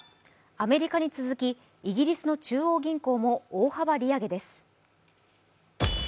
アメリカに続き、イギリスの中央銀行も大幅利上げです。